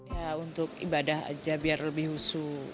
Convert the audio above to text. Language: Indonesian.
ya untuk ibadah aja biar lebih husu